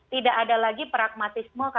tidak ada lagi pragmatisme